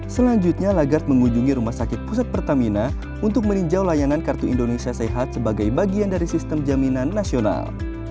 selanjutnya lagarde mengunjungi rumah sakit pusat pertamina untuk meninjau layanan kartu indonesia sehat sebagai bagian dari sistem jaminan nasional